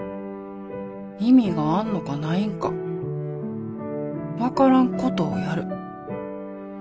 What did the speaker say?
意味があんのかないんか分からんことをやる。